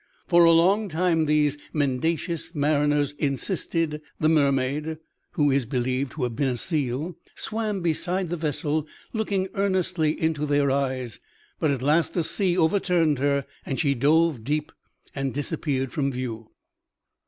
For a long time, these mendacious mariners insisted, the mermaid (who is believed to have been a seal) swam beside the vessel looking earnestly into their eyes, but at last a sea overturned her and she dove deep and disappeared from view.